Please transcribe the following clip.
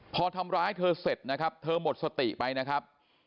พอทำร้ายเธอเสร็จนะครับเธอหมดสติไปนะครับ